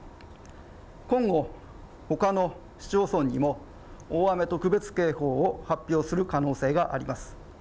今後、ほかの市町村にも大雨特別警報を発表する可能性があります。